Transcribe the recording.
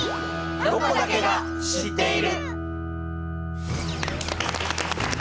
「ロコだけが知っている」。